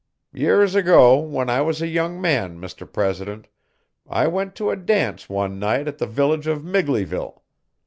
'Years ago, when I was a young man, Mr President, I went to a dance one night at the village of Migleyville.